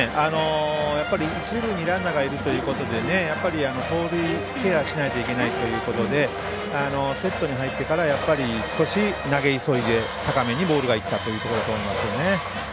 一塁にランナーがいるということで盗塁ケアしないといけないということでセットに入ってから少し投げ急いで高めにボールがいったというところだと思いますね。